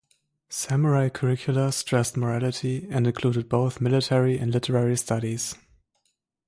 Samurai curricula stressed morality and included both military and literary studies.